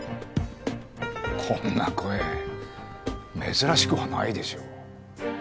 こんな声珍しくはないでしょう。